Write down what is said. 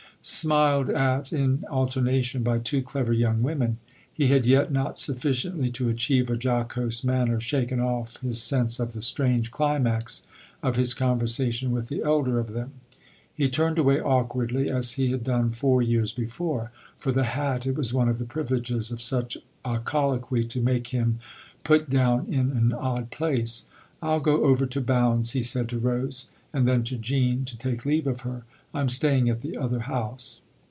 Smiled at in alternation by two clever young women, he had yet not sufficiently to achieve a jocose manner shaken off his sense of the strange climax of his conversation with the elder of them. He turned away awkwardly, as he had done four years before, for the hat it was one of the privileges of such a colloquy to make him put down in an odd place. " I'll go over to Bounds," he said to Rose. And then to Jean, to take leave of her : "I'm stay ing at the other house."